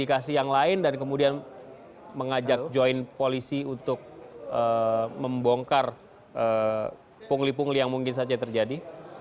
komunikasi yang lain dan kemudian mengajak join polisi untuk membongkar pungli pungli yang mungkin saja terjadi